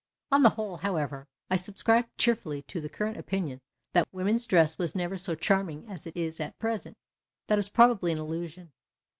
On the whole, however, I subscribe cheerfully to the current opinion that woman's dress was never so charming as it is at present. That is probably an illusion.